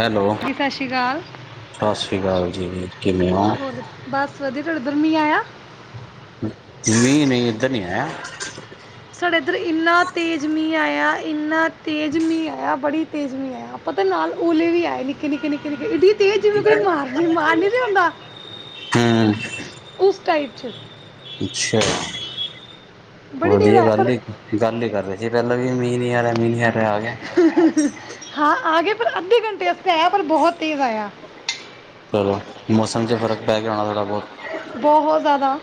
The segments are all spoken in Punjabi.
ਹੈਲੋ, ਜੀ ਸਤਿ ਸ਼੍ਰੀ ਅਕਾਲ ਸਸ ਸ੍ਰੀ ਕਾਲ ਜੀ। ਵੀ ਕਿਵੇਂ ਓ? ਹੋਰ ਬਸ ਵਧੀਆ। ਤੁਆਡੇ ਉੱਧਰ ਗਰਮੀਂ ਐ? ਨਈ-ਨਈ ਇੱਧਰ ਨੀ ਆਇਆ। ਸਾਡੇ ਏੱਧਰ ਇੰਨਾ ਤੇਜ ਮੀਂਅ ਆਏਆ, ਇੰਨਾ ਤੇਜ਼ ਮੀਂ ਆਏਆ, ਬੜੀ ਤੇਜ਼ ਮੀਂ ਆਏਆ। ਪਤੈ ਨਾਲ ਓਲੇ ਵੀ ਆਏ ਨੇ। ਕੇ ਨਿੱਕੇ-ਨਿੱਕੇ-ਨਿੱਕੇ ਏਡੀ ਤੇਜ਼ ਜਿਵੇਂ ਕੋਈ ਮਾਰ ਨੀ, ਮਾਰ ਨੀ ਰੇਆ ਹੁੰਦਾ। ਹਮ ਕਿਸ ਟਾਈਪ 'ਚ। ਅੱਛਾ, ਬੜੀ ਤੇਜ਼ ਵਧੀਆ ਆਇਆ ਗੱਲ ਪਰ ਈ। ਗੱਲ ਈ ਕਰ ਰੇ ਸੀ ਪੈਲਾਂ ਵੀ ਮੀਂਅ ਨੀ ਆਰਾ, ਮੀਂਅ ਨੀ ਆ ਰਿਹਾ ਆ ਗਿਆ ਹਾਂ ਆ ਗੇ ਪਰ ਅੱਧੇ ਘੰਟੇ ਐੱਥੇ ਆਏਐ ਪਰ ਬੋਹੋਤ ਤੇਜ਼ ਆਏਆ। ਚਲੋ, ਮੌਸਮ 'ਚ ਫ਼ਰਕ ਪੈ ਗਿਆ ਹੋਣਾ ਥੋੜ੍ਹਾ ਬੋਤ। ਬਹੁਤ ਜ਼ਿਆਦਾ।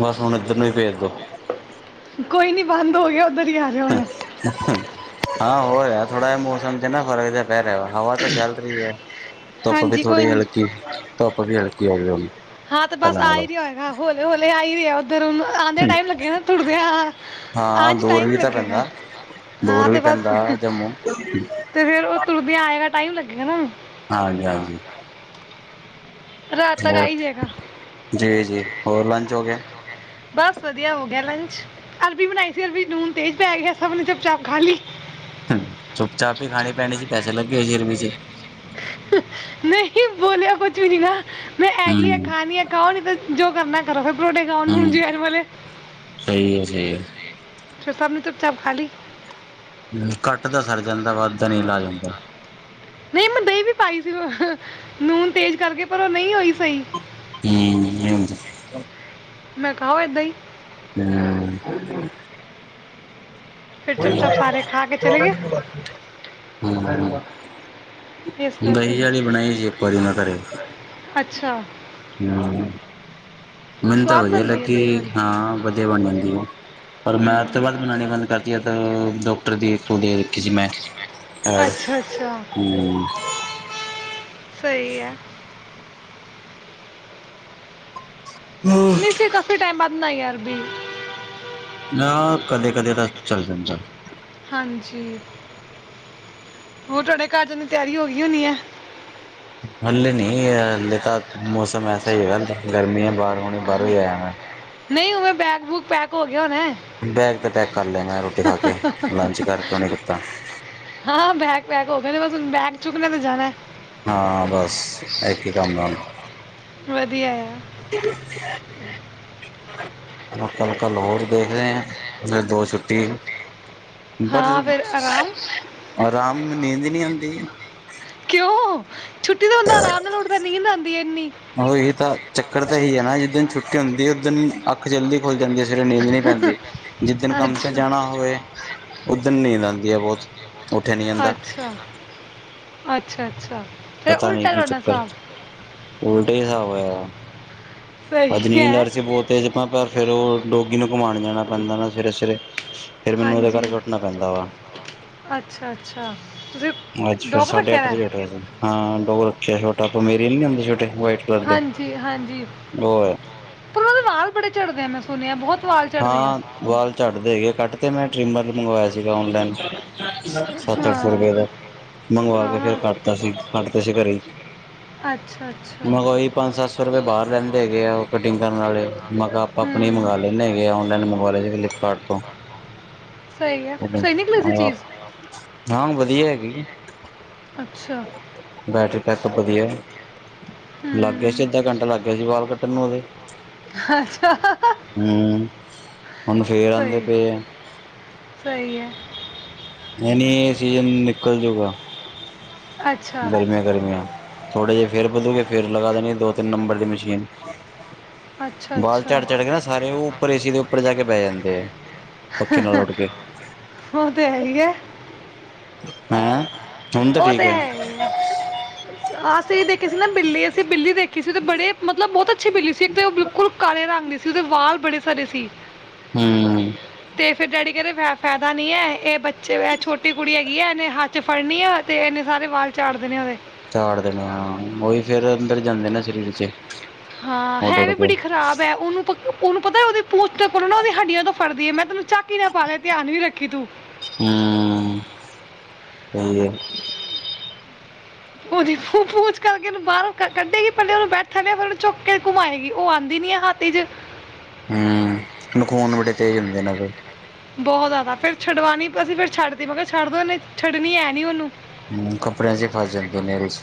ਬਸ ਹੁਣ ਇੱਧਰ ਨੂੰ ਵੀ ਭੇਜ ਦੋ। ਕੋਈ ਨੀ ਬੰਦ ਹੋ ਗਿਆ, ਉੱਧਰ ਹੀ ਆਰਾ। ਹਾਂ ਹਾਂ। [inaudible] ਹਾਂ ਹੋ ਰਿਹਾ, ਥੋੜਾ ਜਿਹਾ ਮੌਸਮ ਚ ਨਾ ਫਰਕ ਜਾ ਪੈ ਰਿਹਾ ਵਾ, ਹਵਾ ਤਾਂ ਚੱਲ ਤੇ ਰਹੀ ਹੈ। ਧੁੱਪ ਵੀ ਹਾਂਜੀ ਕੋਈ ਥੋੜ੍ਹੀ ਨਹੀਂ ਹਲਕੀ, ਧੁੱਪ ਵੀ ਹਲਕੀ ਹੋ ਗਈ ਹੁਣ। ਹਾਂ ਤੇ ਬਸ ਪਹਿਲਾਂ ਆ ਨਾਲੋਂ ਹੀ ਰਿਹਾ ਹੋ ਹੈਗਾ, ਹੌਲੇ ਹੌਲੀ ਆਹੀ ਰਿਹਾ ਉੱਧਰ ਨੂੰ। ਆਨਦਿਆ ਟਾਈਮ ਲੱਗੇਗਾ ਤੁਰਦਿਆਂ ਆਆਆ ਹਾਂ ਆਚ ਦੂਰ ਟਾਈਮ ਵੀ ਤਾਂ ਲੱਗੇਗਾ। ਪੈਂਦਾ ਹਾਂ ਦੂਰ ਵੀ ਤੇ ਬਸ ਪੈਂਦਾ ਜੰਮੂ ਤੇ ਫੇਰ ਉਹ ਤੁਰਦਿਆਂ ਆਏਗਾ ਟਾਈਮ ਲੱਗੇਗਾ ਨਾ ਓਨੁ। ਹਾਂਜੀ ਹਾਂਜੀ। ਰਾਤ ਤੱਕ ਆ ਹੋਰ, ਹੀ ਜਾਏਗਾ ਜੀ ਜੀ, ਹੋਰ ਲੰਚ ਹੋ ਗਿਆ। ਬਸ ਵਧੀਆ, ਹੋ ਗਿਆ ਲੰਚ। ਅਲਵੀ ਬਣਾਈ ਸੀ, ਅਲਵੀ ਚ ਨੂਨ ਤੇਜ਼ ਪੈ ਗਿਆ ਹੈ ਸਭ ਨੇ ਚੱਪ ਚਾਪ ਖਾ ਲਈ। ਹਮ ਚੁੱਪ ਚਾਪ ਹੀ ਖਾਣੀ ਪੈਣੀ ਸੀ, ਪੈਸੇ ਲੱਗੇ ਹੋਏ ਸੀਹ ਅਰਬੀ ਵੀਚ। ਨਹੀਂ ਬੋਲਿਆ ਕੁਛ ਵੀ ਨੀ ਨਾ, ਮੈਂ ਇਹੀ ਆ ਹਮ ਖਾਣੀ ਐ। ਖਾਓ ਨੀ ਤੇ ਜੋ ਕਰਨਾ ਕਰੋ, ਫਿਰ ਪਰੋਠੇ ਥਾਓ ਨੂੰਨ ਹਮ ਜੁਵਾਈਨ ਵਾਲਲੇ। ਸਹੀ ਹੈ ਸਹੀ ਹੈ। ਸਭ ਨੇ ਚੁੱਪ ਚਾਪ ਖਾਲੀ। ਹਮ ਘੱਟ ਦਾ ਸਰੜ ਜਾਂਦਾ ਵੱਦਾਂ ਨ ਇਲਾਜ ਹੁੰਦਾ। ਨਹੀਂ ਮੈਂ ਦਹੀਂ ਵੀ ਪਾਈ ਸੀ ਨੂਨ ਤੇਜ਼ ਕਰਕੇ, ਪਰ ਉਹ ਨਹੀਂ ਹੋਈ। ਹਮ ਨਹੀਂ ਹੁੰਦੀ ਮੈਂ ਕਿਹਾ ਖਾਓ ਇਦਾ ਹੀ। ਹਮਮਮਮਮਮ। ਫਿਰ ਕੋਈ। ਚੁੱਪਚਾਪ ਸਾਰੇ ਖਾ ਕੇ ਚਲੇ ਗਏ [unintelligible] ਹਮ, ਇਸ ਕਰਕੇ ਹੀਂ ਵਾਲੀ ਬਣਾਈ ਸੀ ਇੱਕ ਵਾਰੀ ਮੈਂ ਘਰੇ। ਅੱਛਾ। ਹੂੰ, ਮੈਨ ਤਾਂ ਸਵਾਦ ਵਦੀਆ ਬਣਦੀ ਹੈ ਦਹੀਂ ਲੱਗੀ, ਵਾਲੀ ਹਾਂ, ਵਦੀਆ ਬਨ ਜਾਂਦੀ ਐ। ਪਰ ਮੈ ਅੱਜ ਤੋ ਹੂੰ ਬਾਦ ਬਣਾਣੀ ਬੰਦ ਕਰਦੀ ਆ ਤੇ ਡੋਕਟਰ ਦੀ ਖੁਦ ਹੀ ਰੱਖੀ ਸੀ ਮੈ। ਆ, ਅੱਛਾ ਅੱਛਾ ਹੂੰ। ਸਹੀ ਐ। ਨਈ ਅਸੀੇ ਕਾਫੀ ਟਾਈਮ ਬਾਦ ਬਨਾਈ ਐ ਅਰਬੀ। ਨਾ ਕਦੇ ਕਦੇ ਤਾ ਚੱਲ ਜਾਂਦਾ। ਹਾਂਜੀ, ਹੋਰ ਤੋਆਡੇ ਕਰਦੇ ਦੀ ਤਿਆਰੀ ਹੋ ਗਈ ਹੋਨੀ ਐ। ਹਲੇੇ ਨੀ, ਹਲੇੇ ਤਾਂ ਮੌਸਮ ਐਸਾ ਹੀ ਹੈਗਾ। ਗਰਮੀ ਐ ਬਾਰ ਹੋਣੇ ਬਾਰੋ ਹੀ ਆਇਆ ਮੈਂ। ਨਈ, ਉਵੇਂ ਬੈਗ ਬੂਗ ਪੈਕ ਹੋ ਗਿਆ ਹੋਨਾ। ਬੈਗ ਤੇ ਪੈਕ ਕਰ ਲਿਆ ਮੈਂ ਰੋਟੀ ਖਾ ਕੇ ਲੰਚ [unintelligible] ਕਰਕੇ ਉਹਨੇ ਕੀਤਾ ਹਾਂ, ਬੈਗ ਪੈਗ ਹੋਗੇ ਨੇ ਬਸ ਹੁਨ ਬੈਗ ਚੁੱਕਨੇ ਤੇ ਜਾਣਾ। ਹਾਂ ਬਸ, ਏਕ ਹੀ ਕੰਮ ਹੈ ਬਸ। ਵਦੀਆ ਆ। ਕ ਕੱਲ ਹੋਰ ਦੇਖਦੇ ਆ। ਫਿਰ ਦੋ ਛੁੱਟੀ, ਬਰ। ਹਾਂ ਫਿਰ ਆਰਾਮ ਅਰਾਮ ਨੀਂਦ ਨੀ ਆਂਦੀ। ਕਿਯੋ? ਛੁੱਟੀ ਤੇ ਬੰਦਾ ਆਰਾਮ ਨਾਲ ਉਠਦਾ, ਨੀਂਦ ਆਂਦੀ ਐ ਇੰਨੀ। ਓਹੋਹੀ ਤਾਂ, ਚੱਕਰ ਤਾਂ ਏਹੀ ਹੈ ਨਾ ਜਿਸ ਦਿਨ ਛੁੱਟੀ ਹੁੰਦੀ ਉਸ ਦਿਨ। ਅੱਖ ਜਲਦੀ ਖੁੱਲ ਜਾਂਦੀ ਏ, ਸਵੇਰੇ ਨੀਂਦ ਨਈ ਪੈਂਦੀ। ਜਿਸ ਦਿਨ ਕੰਮ 'ਤੇ ਅੱਛਾ ਜਾਣਾ ਹੋਵੇ। ਉਧ ਦਿਨ ਨੀਂਦ ਆਂਦੀ ਏ ਬੋਤ। ਅੱਛਾ, ਅੱਛਾ, ਅੱਛਾ ਤੇ ਪਤਾ ਨੀ ਉਲਟਾ ਕੀ ਤੋਆਦਾ ਚੱਕਰ ਸਾਬ। ਉਲਟੇ ਹਿਸਾਬ ਹੋਇਆ। ਸਹੀ ਅਜ ਨੀਂਦ ਆ ਹੈ ਰਹੀ ਸੀ ਬੋਹ ਤੇਜ, ਪਰ ਫੇਰ ਓਹ ਡੋਗੀ ਨੂੰ ਘੁਮਾਣ ਜਾਣਾ ਪੈਂਦਾ ਨਾ ਸਵੇਰੇ, ਸਵੇਰੇ, ਫੇਰ ਮੈਨੂੰ ਓਦੇ ਹਾਂਜੀ ਕਰਕੇ ਉੱਠਣਾ ਪੈਂਦਾ ਵਾ। ਅੱਛਾ, ਅੱਛਾ ਤੁਸੀਂ, ਅੱਜ ਫੇਰ ਡੋਗ ਸਾਢੇ ਰੱਖਿਆ ਅੱਠ ਦਾ। ਵਜੇ ਹਾਂ, ਡੋਗ ਰੱਖੇਆ ਛੋਟਾ, ਪਮੇਰਿਅਨ ਨੀ ਹੁੰਦੇ ਛੋਟੇ, ਵਾਈਟ ਹਾਂਜੀ, ਹਾਂਜੀ। ਓ ਹੈ। ਪਰ ਓਦੇ ਵਾਲ ਬੜੇ ਚੜਦੇ ਨੇ। ਸੁਣਿਆ, ਬੋਤ ਵਾ ਹਾਂ, ਵਾਲ ਚੜਦੇ ਹੈਗੇ, ਕੱਟ ਤੇ ਮੈਂ, ਟ੍ਰਿਮਰ ਮੰਗਵਾਇਆ ਸੀਗਾ ਓਨਲੈਨ। ਸੱਤ-ਅੱਠ ਸੌ ਹਾਂ। ਰੁਪਏ ਦਾ, ਮੰਗਵਾ ਕੇ ਫੇਰ ਹਾਂ। ਕੱਟਤਾ ਸੀ, ਕੱਟਦੇ ਸੀ ਘਰੇ ਈ। ਅੱਛਾ ਅੱਛਾ। ਮੈ ਕਾ ਓਹੀ ਪੰਜ-ਸੱਤ ਸੌ ਰੁਪਏ ਬਾਰ ਲੈਂਦੇ ਹੈਗੇ ਆ, ਕਟਿੰਗ ਕਰਨ ਵਾਲੇ। ਮੈਂ ਕਾ ਆਪਾਂ ਆਪਣੇ ਹੂੰ। ਮੰਗਵਾ ਲ ਲੈਨੇ ਹੈਗੇ ਆ। ਓਨਲਾਈਨ ਮੰਗਵਾਲਿਆ ਸੀ ਫਲਿੱਪਕਾਰਟ ਤੋ। ਸਹੀ ਐ, ਸਹੀ ਨਿਕਲੀ ਸੀ ਚੀਜ। ਹਾਂ, ਵਦੀਆ ਹੈਗੀ। ਅੱਛਾ। ਬੈਟਰੀ ਬੈਕਅਪ ਵਦੀਐ। ਲੱਗ ਗੇਆ ਹੂੰ। ਸੀ, ਅੱਧਾ ਘੰਟਾ ਲੱਗ ਗੇਆ ਸੀ ਵਾਲ ਕੱਟਣ ਨੂੰ ਓਦੇ। ਹੁੰ, ਹੁਣ ਫੇਰ ਆਂਦੇ ਸਹੀ, ਪਏ ਐ। ਸਹੀ ਐ। ਨ‍ਈ, ਨਈ, ਏ ਸੀਜਨ ਨਿਕਲ ਜੂਗਾ। ਅੱਛਾ, ਗਰਮੀਆ, ਗਰਮੀਆ, ਥੋੜੇ ਜਿਹੇ ਫੇਰ ਵਧੂਗੇ ਫੇਰ ਲਗਾ ਦੇਣੀ ਦੋ-ਤਿੰਨ ਨੰਬਰ ਦੀ ਮਸ਼ੀਨ। ਅੱਛਾ, ਬਾਲ ਅੱਛਾ। ਝੜ ਝੜ ਕੇ ਨਾ ਸਾਰੇ ਉਹ ਉੱਪਰ ਪਖੇ ਨਾਲ ਓਡ ਪੇ। ਓਹ ਤੇ ਹੈ ਹੀ ਐ। ਹੈਂ। ਹੁਣ ਤਾਂ ਉਹ ਠੀਕ ਤੇ ਹੈ ਹੀ ਏ। ਆਸੀ ਦੇਖੀ ਸੀ ਨਾ ਬਿੱਲੀ, ਅਸੀਂ ਬਿੱਲੀ ਦੇਖੀ ਸੀ ਤੇ ਬੜੇ ਮਤਲਬ ਬਹੁਤ ਅੱਛੀ ਬਿੱਲੀ ਸੀ ਇੱਕ ਤੇ ਓਹ ਬਿਲਕ ਕੁਲ ਕਾਲੇ ਰੰਗ ਦੀ ਸੀ, ਉਹਦੇ ਵਾਲ ਬੜੇ ਸਾਰੇ ਸੀ। ਹੂੰ। ਤੇ ਫਿਰ ਡੈਡੀ ਕੈਂਦੇ ਫਾਇਦਾ ਨਹੀਂ ਐ, ਇਹ ਬੱਚੇ ਛੋਟੀ ਕੁੜੀ ਹੈਗੀ ਹੈ, ਇਹਨੇ ਹੱਥ 'ਚ ਫੜਨੀ ਆ। ਫੇਰ ਐਨੇ ਸਾਰੇ ਵਾਲ ਝਾੜ ਦੇਨੇ ਉਹਦੇ। ਝਾੜ ਦੇਣੇ ਹਾਂ, ਉਹੀ ਫੇਰ ਅੰਦਰ ਜਾਂਦੇ ਨਾ ਸਰੀਰ 'ਚ। ਹਾਂ, ਉੱਡ ਹੈ ਉੱਡ ਵੀ ਕੇ ਬੜੀ ਖ਼ਰਾਬ ਐ। ਉਹਨੂੰ ਉਹਨੂੰ ਪਤਾ, ਉਹਦੀ ਪੂਛ ਦੇ ਉਪਰੋਂ ਨਾ ਉਹਦੀ ਹੱਡੀਆਂ ਤੋਂ ਫੜਦੀ ਐ, ਮੈਂ ਤੈਨੂੰ ਚੈੱਕੀ ਦੇ, ਭਾਂਵੇਂ ਧਿਆਨ ਵੀ ਰੱਖੀ ਤੂੰ। ਹੂੰ, ਸਹੀ ਏ। ਉਹ ਦੇਖੋ ਪੂਛ ਕਢ ਕੇ ਉਹਨੂੰ ਬਾਹਰ ਕੱਢੇਗੀ, ਪਹਿਲੇ ਉਹਨੂੰ ਬੈਠਣ, ਫਿਰ ਉਹਨੂੰ ਚੁੱਕ ਕੇ ਘੁਮਾਏਗੀ। ਉਹ ਆਉਂਦੀ ਨੀ ਆ ਹਾਥ 'ਚ। ਹੂੰ, ਨਖੂਨ ਬੜੇ ਤੇਜ਼ ਹੁੰਦੇ ਏਨਾ ਦੇ। ਬਹੁਤ ਜ਼ਿਆਦਾ, ਫੇਰ ਛੱਡਵਾਉਣੀ ਪੈਸੀ, ਫਿਰ ਛੱਡਦੀ ਕੋਨੀ। ਫੇਰ ਛੱਡ ਦਵੇ, ਨੀ ਛੱਡਣੀ ਹੈ ਨੀ ਓਨੂੰ। ਮੂੰਹ ਕੱਪੜਿਆਂ 'ਚ ਫਸ ਜਣ ਦੇ ਏਦੇ 'ਚ।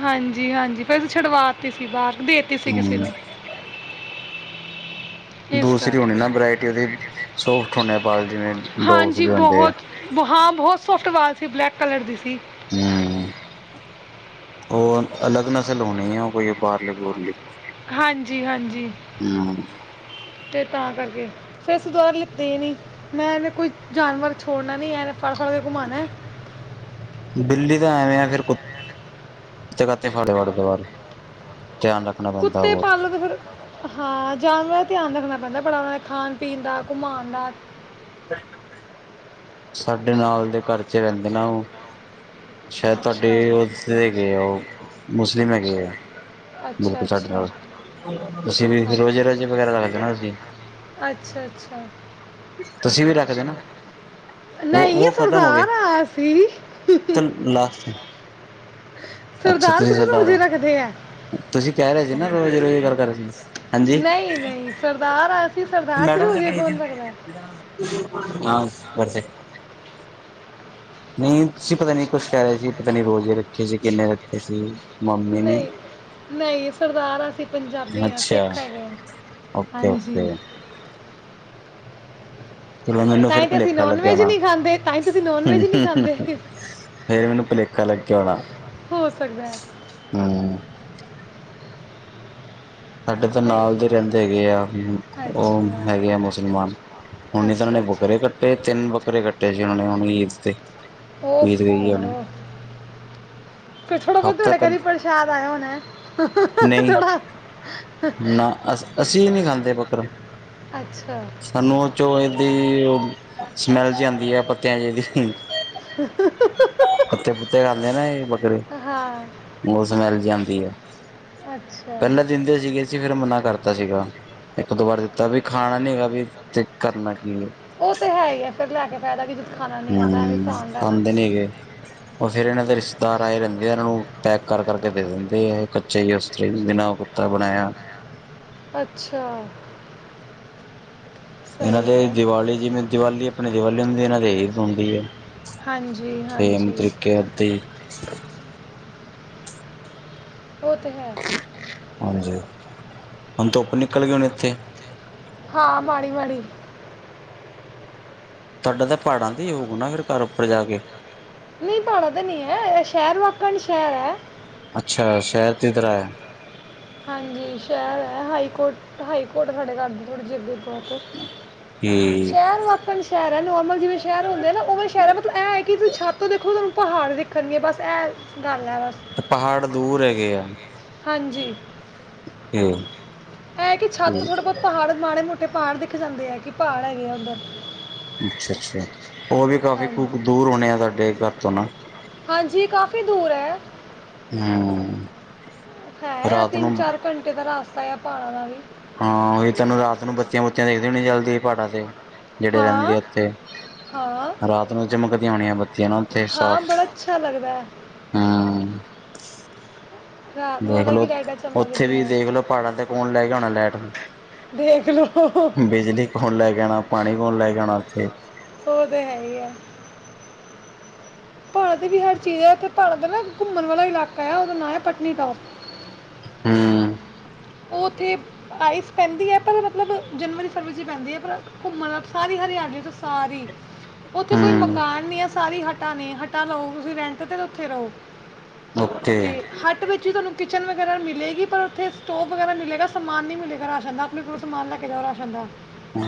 ਹਾਂਜੀ- ਹਾਂਜੀ, ਫਿਰ ਛੁਡਵਾਤੀ ਸੀ ਬਾਦ, ਦੇਤੀ ਸੀ ਕਿਸੇ ਹੂੰ ਨੂੰ। ਇਸ ਦੂਸਰੀ ਹੋਣੀ ਨਾ ਕਰਕੇ ਵਰਾਇਟੀ ਓਦੀ। ਸੋਫਟ ਹੋਣੇ ਵਾਲ ਜਿਵੇਂ, ਡੋਗਸ ਹਾਂਜੀ ਦੇ ਹੁੰਦੇ ਆ। ਬਹੁਤ ਬ ਹਾਂ, ਬਹੁਤ ਸੋਫਟ ਵਾਲ ਸੀ। ਬਲੈਕ ਕਲਰ ਦੇ ਸੀ। ਹੂੰ, ਉਹ ਅਲਗ ਨਸਲ ਹੋਣੀ ਏ। ਓ ਕੋਈ ਬਾਰ, [unintelligible] ਹਾਂਜੀ ਹਾਂਜੀ ਹੂੰ। ਤੇ ਤਾਂ ਕਰਕੇ ਫੇਰ ਅਸੀਂ ਦੁਬਾਰਾ ਲਿੱਤੀ ਈ ਨੀ। ਮੈਂ ਇਵੇ ਕੋਈ ਜਾਨਵਰ ਛੋੜਨਾ ਨੀ, ਐਵੇਂ ਫੜ-ਫੜ ਕੇ ਘੁਮਾਣਾ। ਬਿੱਲੀ ਦਾ ਐਵੇਂ ਆ ਫਿਰ ਕੁੱਤ ਤੇ ਦਾ ਤੇ [unintelligible] [unintelligible] ਧਿਆਨ ਰੱਖ ਕੁੱਤੇ ਪਾਲਨਾ ਤੇ ਫਿਰ ਹਾਂ, ਜਾਨਵਰਾਂ ਦਾ ਧਿਆਨ ਰੱਖਣਾ ਪੈਂਦਾ ਬੜਾ। ਉਨਾਂ ਦੇ ਖਾਣ ਪੀਣ ਦਾ, ਘੁਮਾਣ ਦਾ। ਸਾਡੇ ਨਾਲ ਦੇ ਘਰ ਚ ਰਹਿੰਦੇ ਨਾ ਉਹ। ਸ਼ਾਇਦ ਤੁਹਾਡੇ ਅੱਛਾ ਓ [unintelligible] ਹੈਗੇ ਐ, ਉਹ ਮੁਸਲਿਮ ਹੈਗੇ ਆ। ਅੱਛਾ ਬਿਲਕੁਲ ਸਾਡੇ ਅੱਛਾ ਨਾਲ। ਤੁਸੀਂ ਵੇਖ ਲੋ [inaudible] ਵਗੈਰਾ ਰਖਦੇ ਨਾ ਅਸੀ। ਅੱਛਾ-ਅੱਛਾ। ਤੁਸੀਂ ਵੀ ਰੱਖਦੇ ਨਾ? ਵੋ-ਵੋ ਨਹੀਂ ਖਤਮ ਹੋ ਗਏ। ਸਰਦਾਰ ਆਇਆ ਸੀ ਚੱਲ ਲਾਸਟ। ਅੱਛਾ ਸਰਦਾਰ ਤੁਸੀਂ ਕਦੋਂ ਰੋਜੇ ਹੋ ਰੱਖਦੇ ਐ? ਤੁਸੀਂ ਕਹਿ ਰਹੇ ਸੀ ਨਾ, ਰੋਜ਼ ਰੋਜਜ਼ੇ ਦੀ ਗਲ੍ਹ ਕਰ ਰਹੇ ਸੀ। ਹਾਂਜੀ ਨਹੀਂ-ਨਹੀਂ, ਸਰਦਾਰ ਆ ਅਸੀਂ, ਸਰਦਾਰ ਚ ਰੋਜੇ ਕੌਣ ਰੱਖਦੈ? ਮਾਸ ਬਰਸੇ, ਨਹੀਂ। ਤੁਸੀ ਪਤਾ ਨੀ ਕੁਛ ਕਹਿ ਰਹੇ ਸੀ। ਪਤਾ ਨੀ ਰੋਜ਼ੇ ਰੱਖੇ ਸੀ, ਕਿੰਨੇ ਰੱਖੇ ਸੀ? ਮੰਮੀ ਨੇ ਨਹੀਂ- ਨਹੀਂ, ਸਰਦਾਰ ਹਾਂ ਅਸੀਂ। ਪੰਜਾਬੀ ਆ, ਅੱਛਾ ਸਿੱਖ ਹੈਗੇ ਆ, ਓਕੇ ਹਾਂਜੀ। ਓਕੇ ਚਲੋ, ਮੈਨੂੰ ਤਾਂ ਫ਼ੇਰ ਹੀ ਤੇ ਅਸੀਂ ਭਲੇਖਾ ਨਾਨ ਲੱਗਿਆ ਵੈਜ ਹੋਣਾ ਨਹੀਂ ਖਾਂਦੇ ਤਾਂ ਹੀ ਤੇ ਅਸੀਂ ਨਾਨ [inaudible] ਵੈਜ ਨਹੀਂ ਖਾਂਦੇ ਫੇਰ ਮੈਨੂੰ ਭੁਲੇਖਾ ਲਗਿਆ ਹੋਣਾ। ਹੋ ਸਕਦੈ। ਹੂੰ। ਸਾਡੇ ਜੌ ਨਹੀਂ ਨਾਲ ਦੇ ਰਹਿੰਦੇ ਹੈਗੇ ਆ, ਉਹ ਅੱਛਾ ਹੈਗੇ ਆ ਮੁਸਲਮਾਨ। ਹੁਣ [unintelligible] ਉਹਨਾਂ ਅੱਛਾ ਨੇ ਅੱਛਾ ਬੱਕਰੇ ਕੱਟੇ, ਤਿੰਨ ਬੱਕਰੇ ਕੱਟੇ ਸੀ, ਉਹਨਾਂ ਨੇ ਹੁਣ ਈਦ ਤੇ। ਉਹ ਈਦ ਤੇ ਗਈ ਆ ਹੁਣ ਹੈ। ਫੇਰ ਥੋੜਾ ਬਹੁਤ ਹਫ਼ਤਾ ਤੁਹਾੜੇ ਘਰ ਵੀ ਪਹਿਲਾਂ ਪ੍ਰਸ਼ਾਦ ਆਇਆ ਹੋਣਾ, ਹ ਹ ਹ ਨਹੀਂ ਥੋੜਾ। ਨਾ, ਅ ਅਸੀਂ ਨਹੀਂ ਖਾਂਦੇ ਬਕਰਾ। ਅੱਛਾ ਸਾਨੂੰ ਉਹ ਚੋਂ ਇਹਦੀ ਸਮੈਲ ਜੀ ਆਂਦੀ ਹੈ, ਪੱਤਿਆਂ ਦੀ ਜੀ। ਪੱਤੇ -ਪੁੱਤੇ ਖਾਂਦੇ ਆ ਨਾ ਇਹ ਬੱਕਰੇ। ਹਾਂ ਬਹੁਤ ਸਮੈਲ ਜੀ ਆਂਦੀ ਐ। ਅੱਛਾ। ਪਹਿਲਾਂ ਦਿੰਦੇ ਸੀਗੇ ਸੀ ਫੇਰ ਮਨਾ ਕਰਤਾ ਸੀਗਾ, ਇਕ ਦੋ ਵਾਰ ਦਿੱਤਾ ਵੀ ਖਾਣਾ ਨੀ ਹੈਗਾ ਵੀ ਤੇ ਕਰਨਾ ਕੀ ਹੈ। ਉਹ ਤੇ ਹੈ ਹੀ ਫੇਰ ਲੈ ਕੇ ਫਾਇਦਾ ਹੀ ਕੀ ਜੇ ਖਾਣਾ ਨੀ ਆ ਤਾਂ ਐ ਵੀ ਆ। ਠੀਕ ਏ- ਉਹ ਫੇਰ ਇਹਨਾਂ ਦੇ ਰਿਸ਼ਤੇਦਾਰ ਆਏ ਰਹਿਦੇ ਆ, ਇਹਨਾਂ ਨੂੰ ਪੈਕ ਕਰ-ਕਰ ਕੇ ਦੇ ਦਿੰਦੇ ਆ। ਕੱਚਾ ਹੀ ਉਸਤਰੀ ਬਿਨਾਂ ਉਹ [unintelligible] ਕੁੱਤਾ ਬਣਾਇਆ। ਅੱਛਾ। ਇਹਨਾ ਸਹੀ ਦੇ ਹੈ ਦੀਵਾਲੀ ਜਿਵੇ ਦੀਵਾਲੀ ਆਪਣੇ ਦੀਵਾਲੀ ਹੁੰਦੀ ਇਹਨਾ ਦੇ- ਹੂੰਦੀ ਹੈ। ਹਾਂਜੀ ਸੇਮ ਹਾਂਜੀ ਤਰੀਕੇ ਆਪ ਦੀ- ਉਹ ਤੇ ਹੈ। ਹਾਂਜੀ, ਹੁਣ ਧੁੱਪ ਨਿਕਲ ਗਏ ਹੁਣੇ ਇਥੇ? ਹਾਂ ਮਾੜੀ- ਮਾੜੀ- ਤੁਹਾਡਾ ਤਾਂ ਪਹਾੜਾਂ ਦਾ ਹੀ ਹੋਊ ਨਾ ਫਿਰ ਘਰ ਉਪਰ ਜਾ ਕੇ- ਨਹੀ ਪਹਾੜਾਂ ਤੇ ਨਹੀ ਹੈ। ਇਹ ਸ਼ਹਿਰ ਵਾਕਣ ਸ਼ਹਿਰ ਹੈ। ਅੱਛਾ, ਸ਼ਹਿਰ ਦੀ ਤਰ੍ਹਾਂ ਹੈ। ਹਾਂਜੀ ਸ਼ਹਿਰ ਹੈ। ਹਾਈ ਕੋਰਟ, ਹਾਈ ਕੋਰਟ ਸਾਡੇ ਘਰ ਦੇ ਥੋੜ੍ਹੀ ਜੀ ਅਗੇ - ਕਿ ਸ਼ਹਿਰ ਵਕਨ- ਸ਼ਹਿਰ ਹੈ। ਨੋਰਮਲ ਜਿਵੇ ਸ਼ਹਿਰ ਹੁੰਦੇ ਨਾ ਉਵੇ ਸ਼ਹਿਰ ਹੈ। ਮਤਲਬ ਐ ਕਿ ਤੁਸੀ ਛੱਤ ਤੋਂ ਦੇਖੋ, ਤੁਹਾਨੂੰ ਪਹਾੜ ਦਿਖਣਗੇ ਬਸ ਏਹ। ਡਰ ਲ [unintelligible] ਬਸ ਤੇ ਪਹਾੜ ਦੂਰ ਹੈਗੇ ਆ। ਹਾਂਜੀ, ਤੇ ਏਹੈ ਕਿ ਛੱਤ ਥੋੜਾ ਬਹੁਤ- ਪਹਾੜ ਮਾੜੇ ਮੋਟੇ ਪਹਾੜ ਦਿਖ ਜਾਦੇ ਆ, ਕਿ ਪਹਾੜ ਹੈਗੇ ਆ ਓਦਰ- ਅਛਾ- ਅਛਾ, ਉਹ ਵੀ ਕਾਫੀ ਦੂਰ ਹੋਣੇ ਆ ਤੁਹਾਡੇ ਘਰ ਤੋਂ ਨਾ- ਹਾਂਜੀ ਕਾਫੀ ਦੂਰ ਹੈ। ਹਮ ਹੈ ਆ ਰਾਤ ਨੂੰ ਤਿੰਨ ਚਾਰ ਘੰਟੇ ਦਾ ਰਸਤਾ, ਪਹਾਣਾ ਦਾ ਵੀ- ਹਾਂ ਉ ਤੈਨੂੰ ਰਾਤ ਨੂੰ ਬਤੀਆਂ ਬੁੱਤੀਆਂ ਦੇਖਦੇ ਹੋਣੀ ਜਲਦੀ, ਪਹਾੜਾਂ ਤੇ ਜਿਹੜੇ ਰਹਿਦੇ ਹਾਂ ਹਾਂ ਉਥੇ- ਰਾਤ ਨੂੰ ਚਮਕਦੀਆਂ ਹੋਣੀਆਂ ਬੱਤੀਆਂ ਨਾ ਉਥੇ ਹਾਂ ਸਾਫ਼- ਬੜਾ ਅੱਛਾ ਲੱਗਦਾ ਹੈ ਹਮ ਰਾਤ ਨੂੰ ਅਲੱਗ ਦੇਖਲੋ, ਹੀ ਲਾਈਟਾਂ ਓਥੇ ਚਮਕਦੀਆਂ ਵੀ ਹੈ। ਦੇਖਲੋ ਪਹਾੜਾਂ ਤੇ ਕੌਣ ਲੈ ਗਿਆ ਹੋਣਾ ਲੈਟ - ਦੇਖਲੋ- ਕੌਣ ਲੈ ਗਯਾ ਹੋਣਾ, ਪਾਣੀ ਕੌਣ ਲੈ ਗਯਾ ਹੋਣਾ ਉਥੇ- ਉਹ ਤਾਂ ਹੈ ਹੀ ਆ। ਪਹਾੜਾਂ ਦੀ ਵੀ ਹਰ ਚੀਜ ਹੈ। ਇਥੇ ਪਹਾੜ ਦਾ ਨਾ ਘੁੰਮਣ ਵਾਲਾ ਇਲਾਕਾ ਹੈ। ਉਹਦਾ ਨਾਂ ਹੈ। ਪਟਨੀਟੋਪ- ਹੂੰ - ਉਹ ਉਥੇ ਆਈਸ ਪੈਂਦੀ ਹੈ। ਪਰ ਮਤਲਬ ਜਨਵਰੀ, ਫਰਵਰੀ ਪੈਂਦੀ ਹੈ। ਪਰ- ਘੁੰਮਣ, ਸਾਰੀ ਹਰਿਆਲੀ ਹੈ। ਸਾਰੀ- ਉਥੇ ਕੋਈ ਹੂੰ ਮਕਾਨ ਨਹੀ ਹੈ। ਸਾਰੀ ਹੱਟਾਂ ਨੇ, ਹੱਟਾਂ ਲਓ ਤੁਸੀਂ ਰੈਂਟ ਤੇ ਉਥੇ ਰਹੋ- ਤੇ, ਓਕੇ ਹੱਟ ਵਿਚ ਹੀ ਤੁਹਾਨੂੰ ਕਿਚਨ ਵਗੈਰਾ ਮਿਲੇਗੀ ਪਰ ਉਥੇ- ਸਟੋਪ ਵਗੈਰਾ ਮਿਲੇਗਾ, ਸਮਾਨ ਨੀ ਮਿਲੇਗਾ, ਰਾਸ਼ਨ ਦਾ ਆਪਣੇ ਕੋਲੋਂ ਸਮਾਨ ਲੈ ਕੇ ਜਾਣਾ ਪੈਂਦਾ-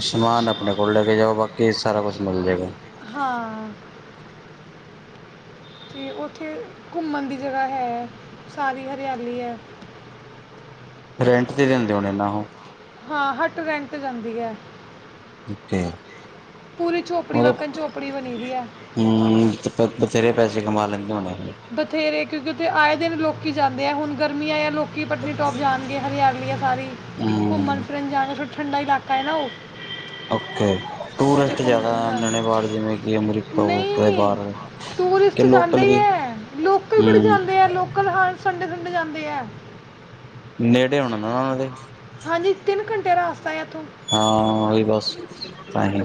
ਸਮਾਨ ਆਪਣੇ ਕੋਲੋ ਲੈ ਕੇ ਜਾਓ, ਬਾਕੀ ਸਾਰਾ ਕੁਛ ਮਿਲ ਜਾਵੇਗਾ। ਹਾਂ- ਤੇ ਉਥੇ, ਘੁੰਮਣ ਦੀ ਜਗ੍ਹਾ ਹੈ। ਸਾਰੀ ਹਰਿਆਲੀ ਹੈ। ਰੈਂਟ ਤੇ ਲੈਂਦੇ ਹੋਣੇ ਆ ਉਹ- ਹਾਂ ਹੱਟ ਰੈਂਟ ਜਾਦੀ ਹੈ। ਜਿਥੇ ਪੂਰੀ ਝੋਪੜੀ ਵੱਖਣ, ਝੋਪੜੀ ਬਣੀ ਦੀ ਹੈ। ਹੂੰ, ਪਰ ਬਥੇਰੇ ਪੈਸੇ ਕਮਾ ਲੈਂਦੇ ਹੋਣੇ- ਬਥੇਰੇ, ਕਿਉਕਿ ਉਥੇ ਆਏ ਦਿਨ ਲੋਕੀ ਜਾਦੇ ਆ, ਹੁਣ ਗਰਮੀਆਂ ਏ ਲੋਕ- ਕਿ ਪਤਨੀਟੋਪ ਜਾਣਗੇ ਹਰਿਆਲੀ ਆ ਸਾਰੀ, ਘੁੰਮਣ- ਹੂੰ ਫਿਰਨ ਜਾਣਗੇ ਫਿਰ ਠੰਡਾ ਇਲਾਕਾ ਹੈ। ਨਾ ਉਹ- ਓਕੇ, ਉੱਥੇ ਟੂਰਿਸਟ ਘੁੰਮਣ ਜਿਆਦਾ ਜਾਣ ਬ ਜਿਵੇਂ ਕਿ ਅਮਰੀਕਾ ਹੋ ਕ ਨਹੀਂ ਬਾਹਰ ਟੂਰਿਸਟ ਕਿ ਜਾਂਦੇ ਲੋਕਲ ਹੀ ਵੀ ਹ, ਲੋਕਲ ਬੜੇ ਹੂੰ ਜਾਂਦੇ ਆ, ਲੋਕਲ ਹਰ ਸੰਡੇ-ਸੰਡੇ ਜਾਂਦੇ ਆ। ਨੇੜੇ ਹੋਣਾ ਨਾ ਉਹਨਾਂ ਦੇ ਹਾਂਜੀ, ਤਿੰਨ ਘੰਟੇ ਰਸਤਾ ਹੈ ਇੱਥੋਂ ਹਾਂ, ਉਈ ਬੱਸ ਤਾਂਹੀ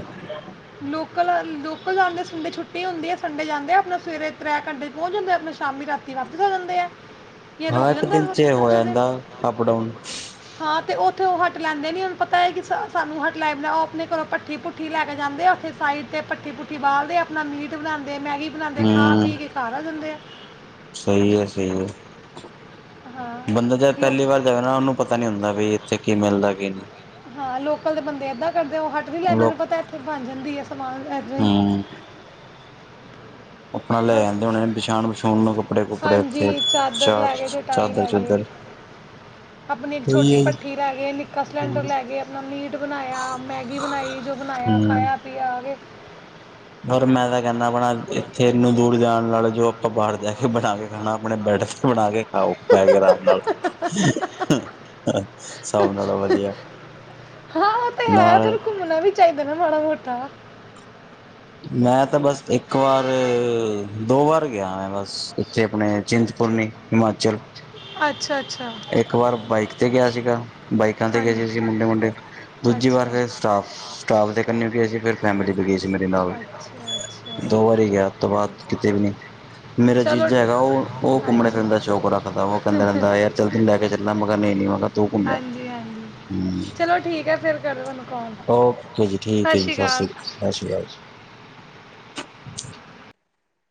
ਲੋਕਲ, ਲੋਕਲ ਜਾਂਦੇ ਸੰਡੇ ਛੁੱਟੀ ਹੁੰਦੀ ਹੈ ਸੰਡੇ ਜਾਂਦੇ ਆਪ ਸਵੇਰੇ ਤ੍ਰੈ ਘੰਟੇ ਪਹੁੰਚ ਜਾਂਦੇ ਆਪਣਾ ਸ਼ਾਮੀ ਰਾਤੀ ਵਾਪਿਸ ਹੋ ਜਾਂਦੇ ਆ, ਕੀ ਹਾਂ ਰੁਕ ਇੱਕ ਜਾਂਦਾ ਦਿਨ ਚ ਹੋ ਇਕ-ਦੋ ਦਿਨ ਜਾਂਦਾ ਅਪ ਡਾਊਨ ਹਾਂ ਤੇ ਉੱਥੇ ਉਹ ਹੱਟ ਲੈਂਦੇ ਨੇ, ਉਹਨੂੰ ਪਤਾ ਐ ਕਿ ਸਾਨੂੰ ਹੱਟ ਲੈ, ਉਹ ਆਪਣੇ ਘਰੋਂ ਭੱਠੀ-ਭੁਠੀ ਲੈ ਜਾਂਦੇ ਆ, ਉੱਥੇ ਸਾਈਡ ਤੇ ਭੱਠੀ-ਭੁੱਠੀ ਬਾਲਦੇ ਆਪਣਾ ਮੀਟ ਬਣਾਂਦੇ, ਮੈਗੀ ਬਣਾਂਦੇ ਖਾ ਪੀ ਹੂੰ ਕੇ ਸਾਰਾ ਦਿੰਦੇ ਆ। ਸਹੀ ਐ, ਸਹੀ ਐ। ਹਾਂ ਬੰਦਾ ਜਦ ਲੋਕ ਪਹਿਲੀ ਵਾਰ ਜਾਵੇ ਨਾ, ਉਹਨੂੰ ਪਤਾ ਨੀ ਹੁੰਦਾ ਵੀ ਇੱਥੇ ਕੀ ਮਿਲਦਾ ਕੀ ਨਹੀਂ। ਹਾਂ, ਲੋਕਲ ਦੇ ਬੰਦੇ ਏਦਾਂ ਕਰਦੇ, ਉਹ ਹੱਟ ਵੀ ਲੈਂਦੇ ਲੋਕ ਉਨ੍ਹਾਂ ਨੂੰ ਪਤਾ ਇੱਥੇ ਬਣ ਜਾਂਦੀ ਐ, ਸਮਾਨ ਏਦਾਂ ਈ ਹਮ ਆਪਣਾ ਲੈ ਬਸ, ਜਾਂਦੇ ਹੋਣੇ ਵਿਛਾਣ ਵਿਛੂਣ ਨੂੰ ਕੱਪੜੇ ਕੁਪੜੇ ਇੱਥੇ ਹਾਂਜੀ ਚਾਦਰ ਚਾ ਲੈਗੇ, ਚਟਾਈ ਚਾਦਰ ਲੈਗੇ। ਚੂਦਰ [inaudible] ਆਪਣੀ ਇੱਕ ਸਹੀ ਛੋਟੀ ਹੈ ਜੀ ਭੱਠੀ ਲੈਗੇ, ਨਿੱਕਾ ਸਿਲੰਡਰ ਲੈਗੇ, ਆਪਣਾ ਮੀਟ ਬਣਾਇਆ, ਮੈਗੀ ਬਣਾਈ, ਜੋ ਬਣਾਇਆ, ਖਾਇਆ ਪੀਆ ਆਗੇ। ਘਰ ਮੈਂ ਤਾਂ ਕਹਿੰਦਾ ਬਣਾ ਇੱਥੇ ਏਨੀ ਦੂਰ ਜਾਣ ਨਾਲ, ਜੋ ਆਪਾਂ ਬਾਹਰ ਜਾ ਕੇ ਬਣਾ ਕੇ ਖਾਣਾ, ਆਪਣੇ ਬੈਡ ਤੇ ਬਣਾ ਕੇ ਖਾਓ ਬੈਹ ਕੇ ਅਰਾਮ ਨਾਲ, ਸਭ ਨਾਲੋ ਵਧੀਆ। ਹਾਂ ਉਹ ਤੇ ਹੈ ਨਾਲ ਬਿਲਕੁਲ ਚਾਹੀਦਾ ਨਾ ਮਾੜਾ-ਮੋਟਾ ਮੈਂ ਤਾਂ ਬਸ ਇੱਕ ਵਾਰ, ਦੋ ਵਾਰ ਗਿਆ ਆ ਬਸ। ਇੱਥੇ ਆਪਣੇ ਚਿੰਤਪੁਰਨੀ ਹਿਮਾਚਲ। ਅੱਛਾ-ਅੱਛਾ। ਇੱਕ ਵਾਰ ਬਾਈਕ ਤੇ ਗਿਆ ਸੀਗਾ ਬਾਈਕਾਂ ਤੇ ਗਏ ਹਾਂਜੀ, ਸੀ-ਸੀ, ਮੁੰਡੇ-ਮੁੰਡੇ ਦੂਜੀ ਵਾਰ ਅੱਛਾ, ਫਿਰ ਸਟਾਫ-ਸਟਾਫ ਦੇ ਕੰਨੀ ਗਏ ਸੀ ਫਿਰ ਫੈਮਲੀ ਵੀ ਗਈ ਸੀ ਮੇਰੇ ਅੱਛਾ, ਨਾਲ, ਅੱਛਾ। ਦੋ ਵਾਰੀ ਗਿਆ ਓਤੋਂ ਬਾਅਦ ਕਿਤੇ ਵੀ ਨੀ ਮੇਰਾ ਚਲੋ ਜੀਜਾ ਹੈਗਾ ਓ, ਹਾਂਜੀ, ਉਹ ਘੁੰਮਣ ਹਾਂਜੀ, ਫਿਰਨ ਦਾ ਸ਼ੌਂਕ ਰੱਖਦਾ ਵਾ, ਉਹ ਕਹਿੰਦਾ ਰਹਿੰਦਾ ਯਾਰ ਚਲ ਤੈਨੂੰ ਲੈ ਕੇ ਚੱਲਾਂ, ਮੈ ਕਾ ਨਹੀਂ-ਨਹੀ ਮੈ ਕਾ ਹਾਂਜੀ-ਹਾਂਜੀ। ਚਲੋ ਠੀਕ ਏ, ਫੇਰ ਕਰਲੋ ਉਹਨੂੰ ਕੋਲ, ਸ਼ਾਸ਼ੀ ਕਾਲ। ਸ਼ਾਸ਼ੀ ਕਾਲ।